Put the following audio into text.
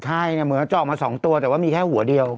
ใช่เนี่ยเหมือนจะออกมา๒ตัวแต่ว่ามีแค่หัวเดียว